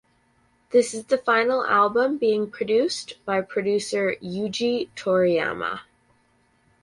This is the final album being produced by producer Yuuji Toriyama.